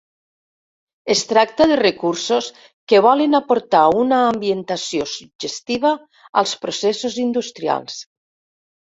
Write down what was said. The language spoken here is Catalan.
Es tracta de recursos que volen aportar una ambientació suggestiva als processos industrials.